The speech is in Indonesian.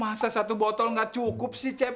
masa satu botol nggak cukup sih cep